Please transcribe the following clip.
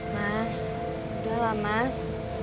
mas udahlah mas